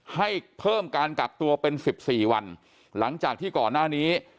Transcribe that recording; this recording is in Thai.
ให้เพิ่มการกักตัวเป็นสิบสี่วันหลังจากที่ก่อนหน้านี้